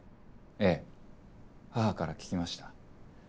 ええ母から聞きました。